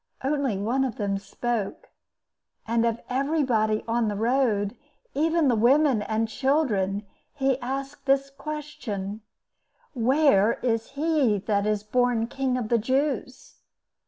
Only one of them spoke, and of everybody on the road, even the women and children, he asked this question—'Where is he that is born King of the Jews?